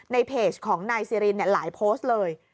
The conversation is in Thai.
ในเพจของนายซีรินหลายโพสต์เลย